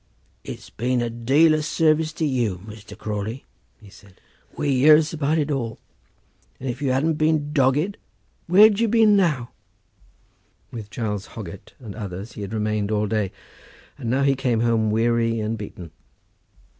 "It's been a deal o' service to you, Muster Crawley," he said. "We hears about it all. If you hadn't a been dogged, where'd you a been now?" With Giles Hoggett and others he had remained all the day, and now he came home weary and beaten.